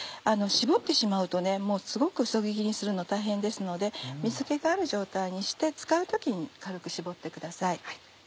絞ってしまうともうすごくそぎ切りにするの大変ですので水気がある状態にして使う時に軽く絞ってください。